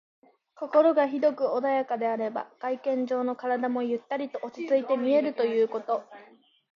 心が広く穏やかであれば、外見上の体もゆったりと落ち着いて見えるということ。